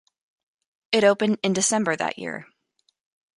It opened in December that year.